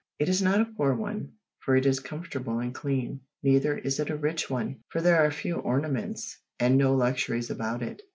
It is not a poor one, for it is comfortable and clean. Neither is it a rich one, for there are few ornaments, and no luxuries about it.